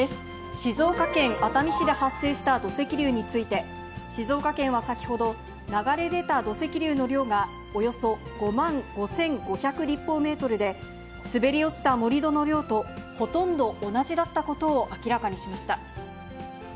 静岡県熱海市で発生した土石流について、静岡県は先ほど、流れ出た土石流の量がおよそ５万５５００立方メートルで、滑り落ちた盛り土の量とほとんど同じだったことを明らかにしました。